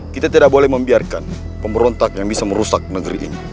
kita tidak boleh membiarkan pemberontak yang bisa merusak negeri ini